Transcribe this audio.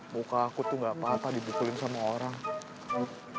muka aku tuh gak apa apa dibukulin sama orang